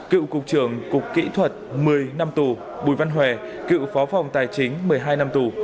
cựu cục trưởng cục kỹ thuật một mươi năm tù bùi văn hòe cựu phó phòng tài chính một mươi hai năm tù